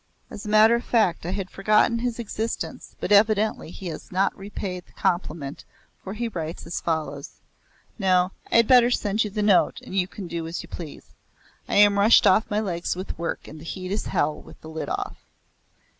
As a matter of fact I had forgotten his existence but evidently he has not repaid the compliment for he writes as follows No, I had better send you the note and you can do as you please. I am rushed off my legs with work and the heat is hell with the lid off.